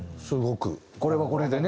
これはこれでね。